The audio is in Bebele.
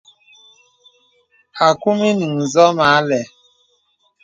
Akūm ìyìŋ ǹsɔ̀ mə àlɛ̂.